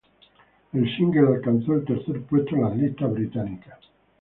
El single alcanzó el tercer puesto en las listas inglesas.